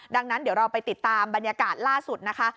ดังนั้นเดี๋ยวเราไปติดตามบรรยากาศล่าสุดนะคะ